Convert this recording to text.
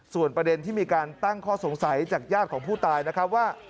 ส่วนประเด็นที่มีการตั้งข้อสงสัยจากญาติของผู้ตายนะครับว่า